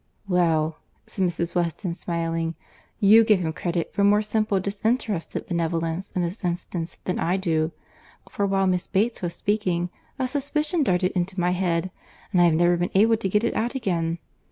"Well," said Mrs. Weston, smiling, "you give him credit for more simple, disinterested benevolence in this instance than I do; for while Miss Bates was speaking, a suspicion darted into my head, and I have never been able to get it out again.